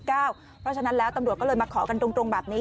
เพราะฉะนั้นแล้วตำรวจก็เลยมาขอกันตรงแบบนี้